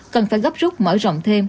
cần phải gấp rút mở rộng thêm